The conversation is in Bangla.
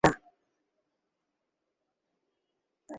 তাকে ঘাড় ধাক্কা দিয়ে বের করে দেওয়া উচিত, কিন্তু দেওয়া যাচ্ছে না।